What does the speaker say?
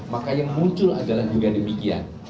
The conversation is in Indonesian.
maka yang muncul adalah juga demikian